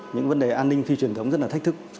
những vấn đề an ninh phi truyền thống rất là thách thức